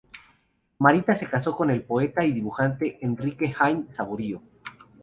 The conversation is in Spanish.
Marita se casó con el poeta y dibujante Enrique Hine Saborío.